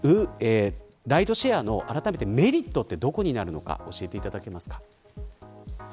ライドシェアのあらためてメリットはどこになるのかを教えていただけますか。